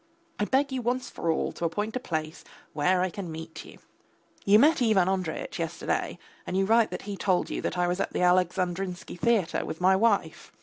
I beg you once for all to appoint a place where I can meet you. You met Ivan Andreyitch yesterday, and you write that he told you that I was at the Alexandrinsky theatre with my wife.